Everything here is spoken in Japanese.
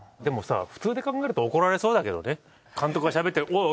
でもさ普通で考えると怒られそうだけどね監督がしゃべってる。